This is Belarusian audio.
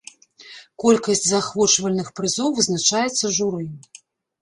Колькасць заахвочвальных прызоў вызначаецца журы.